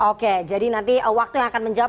oke jadi nanti waktu yang akan menjawab